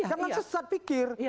jangan sesat pikir